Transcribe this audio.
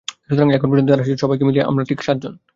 সুতরাং এখন পর্যন্ত যাঁরা এসেছেন, সবাইকে মিলিয়ে আমরা ঠিক সাতজন।